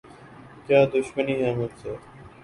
کیا دشمنی ہے مجھ سے؟